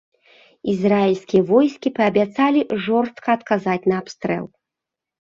Ізраільскія войскі паабяцалі жорстка адказаць на абстрэл.